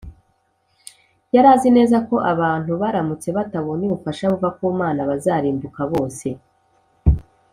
yari azi neza ko, abantu baramutse batabonye ubufasha buva ku mana, bazarimbuka bose